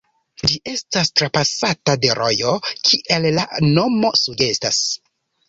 Ĝi estas trapasata de rojo, kiel la nomo sugestas.